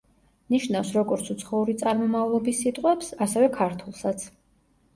ნიშნავს როგორც უცხოური წარმომავლობის სიტყვებს, ასევე ქართულსაც.